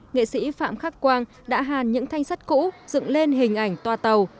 nghệ sĩ phạm khắc quang đã hàn những thanh sắt cũ dựng lên hình ảnh toa tàu